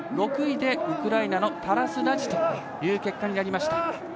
６位でウクライナのタラス・ラジという結果になりました。